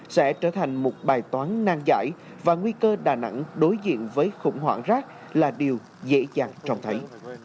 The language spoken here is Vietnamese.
sẽ trở thành một bài toán nang giải và nguy cơ đà nẵng đối diện với khủng hoảng rác là điều dễ dàng trong thấy